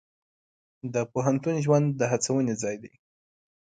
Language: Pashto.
د پوهنتون ژوند د هڅونې ځای دی.